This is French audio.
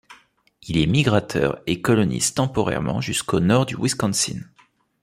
Il est migrateur et colonise temporairement jusqu'au nord du Wisconsin.